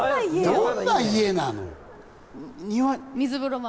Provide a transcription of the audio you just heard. どんな家なの？